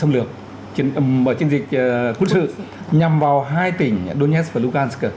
xâm lược chiến dịch quân sự nhằm vào hai tỉnh donetsk và lukasher